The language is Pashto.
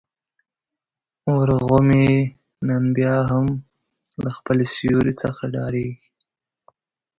ورغومی نن بيا هم له خپل سیوري څخه ډارېږي.